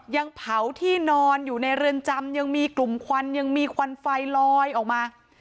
ยังเผาที่นอนอยู่ในเรือนจำยังมีกลุ่มควันยังมีควันไฟลอยออกมา